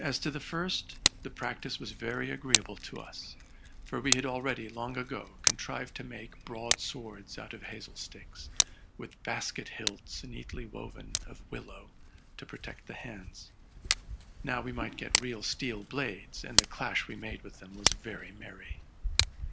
As to the first, the practice was very agreeable to us; for we had already, long ago, contrived to make broad swords out of hazel sticks, with basket hilts neatly woven of willow, to protect the hands. Now we might get real steel blades, and the clash we made with them was very merry.